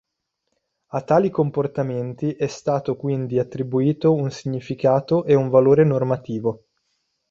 A tali comportamenti è stato quindi attribuito un significato e un valore normativo.